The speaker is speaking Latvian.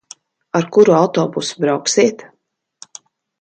Ar kuru autobusu brauksiet?